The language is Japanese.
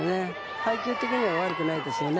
配球的には悪くないですよね。